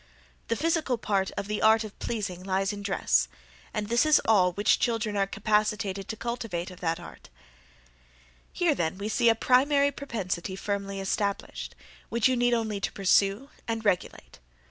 The physical part of the art of pleasing lies in dress; and this is all which children are capacitated to cultivate of that art." "Here then we see a primary propensity firmly established, which you need only to pursue and regulate.